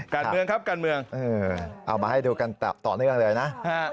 การเมืองครับการเมืองเอามาให้ดูกันต่อเนื่องเลยนะ